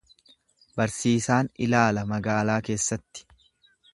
Barsiisaan ilaala magaalaa keessatti.